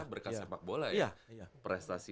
berkat sepak bola ya prestasi